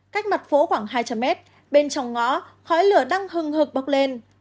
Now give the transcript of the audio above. cách mặt phố khoảng hai trăm linh mét bên trong ngõ khói lửa đang hừng hực bốc lên